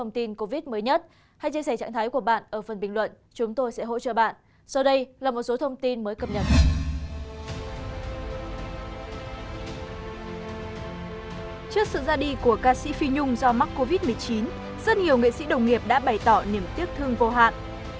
trước sự ra đi của ca sĩ phi nhung do mắc covid một mươi chín rất nhiều nghệ sĩ đồng nghiệp đã bày tỏ niềm tiếc thương vô hạn